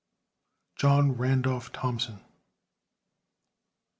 JOHN RANDOLPH THOMPSON.